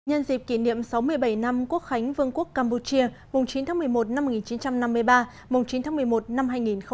nhân dịp kỷ niệm sáu mươi bảy năm quốc khánh vương quốc campuchia mùng chín tháng một mươi một năm một nghìn chín trăm năm mươi ba mùng chín tháng một mươi một năm hai nghìn hai mươi